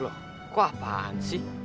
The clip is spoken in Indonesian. loh kok apaan sih